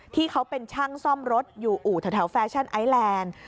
ที่เขาเป็นช่างซ่อมรถอยู่อู่แถวแฟชั่นไอแลนด์